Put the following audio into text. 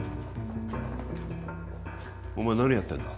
お前何やってんだ？